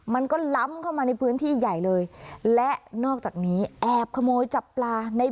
มันก็ล้ำเข้ามาในพื้นที่ใหญ่เลยและนอกจากนี้แอบขโมยจับปลาใน